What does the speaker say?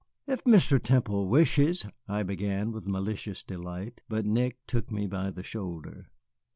"If Mr. Temple wishes " I began, with malicious delight. But Nick took me by the shoulder.